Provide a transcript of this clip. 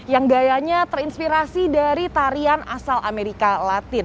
yang gayanya terinspirasi dari tarian asal amerika latin